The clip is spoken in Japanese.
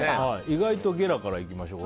意外とゲラからいきましょうか。